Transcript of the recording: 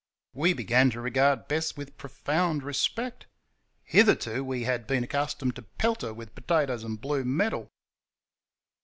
We began to regard Bess with profound respect; hitherto we had been accustomed to pelt her with potatoes and blue metal.